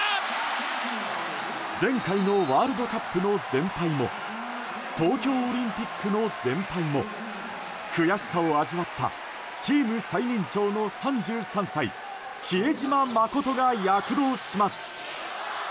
前回のワールドカップの全敗も東京オリンピックの全敗も悔しさを味わったチーム最年長の３３歳比江島慎が躍動します。